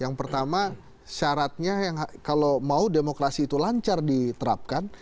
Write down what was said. yang pertama syaratnya kalau mau demokrasi itu lancar diterapkan